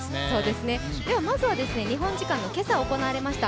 まずは日本時間の今朝行われました